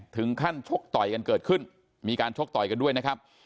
ชกต่อยกันเกิดขึ้นมีการชกต่อยกันด้วยนะครับ